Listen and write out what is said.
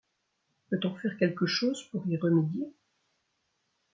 Peut-on faire quelque chose pour y remédier ?